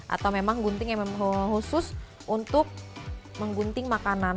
atau memang gunting yang memang khusus untuk menggunting makanan